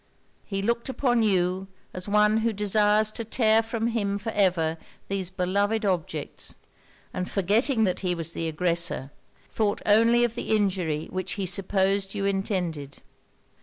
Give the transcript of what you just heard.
He looked upon you as one who desires to tear from him for ever these beloved objects; and forgetting that he was the aggressor, thought only of the injury which he supposed you intended.'